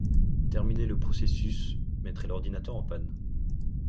Terminer le processus mettrait l'ordinateur en panne.